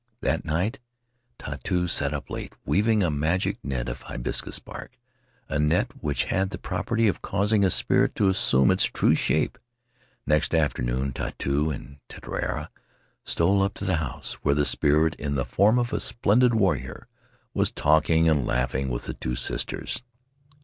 That night Tautu sat up late, weaving a magic net of hibiscus bark — a net which had the property of causing a spirit to assume its true shape. Next afternoon Tautu and Titiara stole up to the house where the spirit, in the form of a splendid warrior, was talking and laughing with the two sisters.